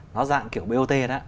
nó dạng kiểu bot đó